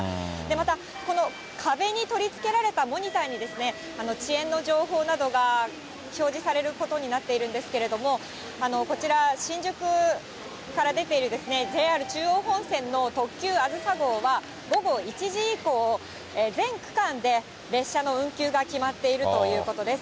また、この壁に取り付けられたモニターに、遅延の情報などが表示されることになっているんですけれども、こちら、新宿から出ているＪＲ中央本線の特急あずさ号は、午後１時以降、全区間で列車の運休が決まっているということです。